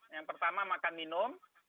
yang pertama makan minum